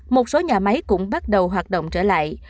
một số nhà máy cũng bắt đầu hoạt động trở lại